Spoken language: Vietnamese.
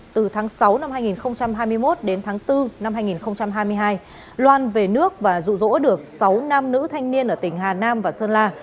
từ tháng sáu năm hai nghìn hai mươi một đến tháng bốn năm hai nghìn hai mươi hai loan về nước và rụ rỗ được sáu nam nữ thanh niên ở tỉnh hà nam và sơn la